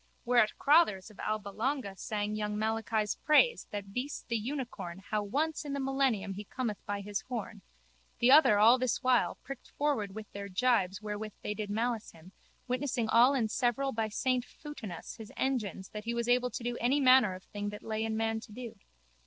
Whereat Crotthers of Alba Longa sang young Malachi's praise of that beast the unicorn how once in the millennium he cometh by his horn, the other all this while, pricked forward with their jibes wherewith they did malice him, witnessing all and several by saint Foutinus his engines that he was able to do any manner of thing that lay in man to do.